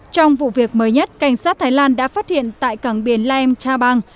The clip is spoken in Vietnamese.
trong vụ việc mới nhất cảnh sát thái lan đã phát hiện tại cẳng biển lam cha bang